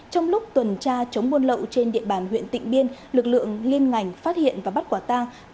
trong lúc tuần tra chống buôn lậu trên địa bàn huyện tịnh biên lực lượng liên ngành phát hiện và bắt quả tang